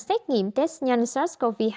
xét nghiệm test nhanh sars cov hai